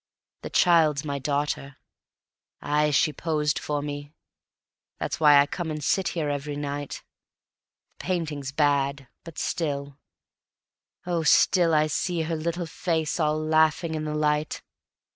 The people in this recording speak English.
The child's my daughter; aye, she posed for me. That's why I come and sit here every night. The painting's bad, but still oh, still I see Her little face all laughing in the light.